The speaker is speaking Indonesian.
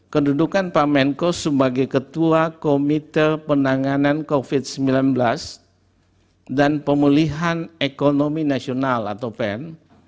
kedudukan pak menko sebagai ketua komite penanganan covid sembilan belas dan pemulihan ekonomi nasional atau pen